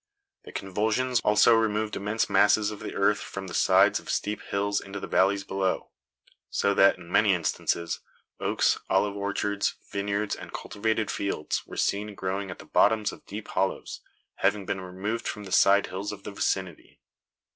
The convulsions also removed immense masses of earth from the sides of steep hills into the valleys below; so that, in many instances, oaks, olive orchards, vineyards and cultivated fields, were seen growing at the bottoms of deep hollows, having been removed from the side hills of the vicinity.